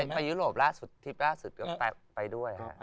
ไปยุโรปที่สุดคือไปด้วยฮะ